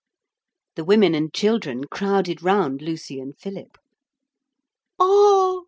The women and children crowded round Lucy and Philip. 'Ah!'